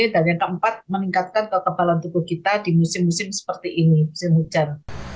dan yang keempat meningkatkan ketebalan tubuh kita di musim musim seperti ini musim hujan